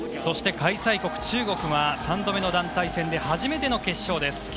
開催国の中国は３度目の団体戦で初めての決勝です。